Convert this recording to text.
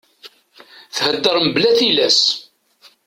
Thedder mebla tilas.